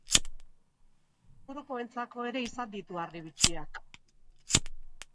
Ingurukoentzako ere izan ditu harribitxiak.